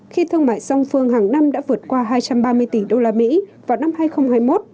khi thương mại song phương hàng năm đã vượt qua hai trăm ba mươi tỷ đô la mỹ vào năm hai nghìn hai mươi một